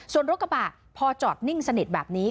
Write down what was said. ส่วนรถกระบะพอจอดนิ่งสนิทแบบนี้